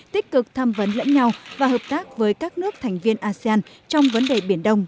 tích cực tham vấn lẫn nhau và hợp tác với các nước thành viên asean trong vấn đề biển đông